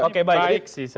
oke baik sih